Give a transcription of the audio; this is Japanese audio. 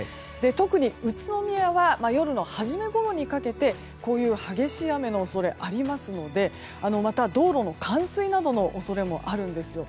特に、宇都宮は夜の初めごろにかけてこういう激しい雨の恐れがありますので道路の冠水などの恐れもあるんですよ。